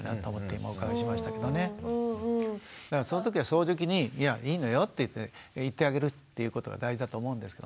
そういうときに「いやいいのよ」って言ってあげるっていうことが大事だと思うんですけどね。